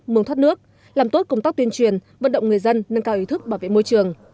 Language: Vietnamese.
mương thoát nước làm tốt công tác tuyên truyền vận động người dân nâng cao ý thức bảo vệ môi trường